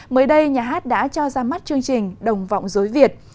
mới đây nhà hát đã cho ra mắt chương trình đồng vọng dối việt